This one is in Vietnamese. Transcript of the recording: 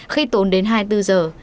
khi tốn đến hai mươi bốn giờ